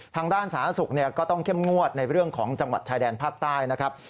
ทางด้านสาธารณสุขก็ต้องเข้มงวดในเรื่องของจังหวัดชายแดนภาคใต้นะครับ